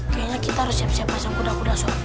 kayaknya kita harus siap siap pasang kuda kuda sok